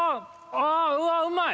ああうわうまい。